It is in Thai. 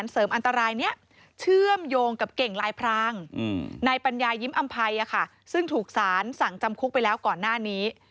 ซึ่งถูกสารสั่งจำคุกไปแล้วก่อนหน้านี้